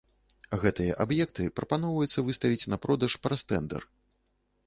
Гэтыя аб'екты прапаноўваецца выставіць на продаж праз тэндэр.